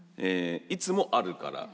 いつもあるから。